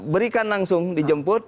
berikan langsung dijemput